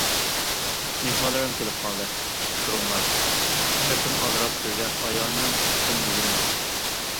مېھمانلىرىم كېلىپ قالدى، چىقىپ تۇرۇڭلار، سىرتتىن ئالدىراپ كىرگەن ئايالىڭ شۇنداق دېگەنىدى.